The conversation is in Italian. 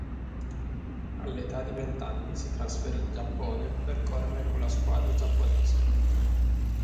All'età di vent'anni si è trasferì in Giappone per correre con la squadra giapponese.